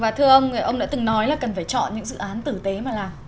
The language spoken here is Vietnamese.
và thưa ông ông đã từng nói là cần phải chọn những dự án tử tế mà làm